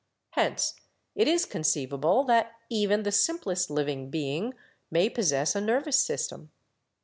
Hence it is conceivable that even the simplest living being may possess a nervous sys tem.